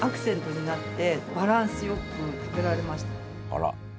あら。